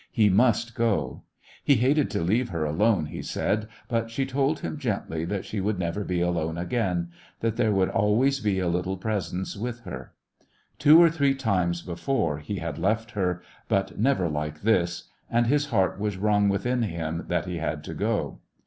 He must go. He hated to leave her alone, he said, but she told him gently that she would never be alone again; that there would always be a Uttle presence with her. Two or three times before he had left her, but never like this, and his heart was wrung within him that he had to go.